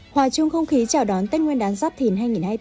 hòa chung không khí chào đón tết nguyên đán giáp thìn hai nghìn hai mươi bốn